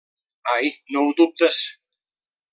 Ai, no ho dubtes.